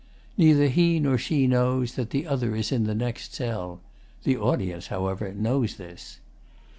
Neither he nor she knows that the other is in the next cell. The audience, however, knows this.